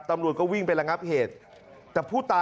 ตำรวจก็วิ่งไประงับเหตุ